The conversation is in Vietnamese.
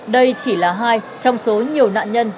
đây chỉ là hai trong số nhiều nạn nhân